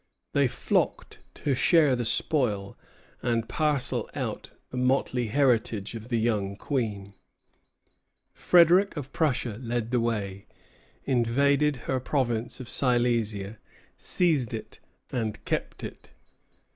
They flocked to share the spoil, and parcel out the motley heritage of the young Queen. Frederic of Prussia led the way, invaded her province of Silesia, seized it, and kept it.